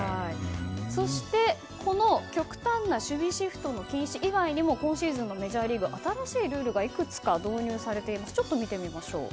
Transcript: そして、この極端な守備シフトの禁止以外にも今シーズンのメジャーリーグ新しいルールがいくつか導入されたので見てみましょう。